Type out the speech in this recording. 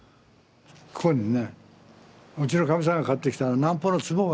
ここにねうちのかみさんが買ってきた南方のつぼがあった。